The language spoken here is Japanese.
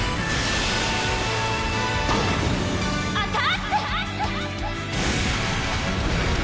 アタック！